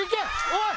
おい！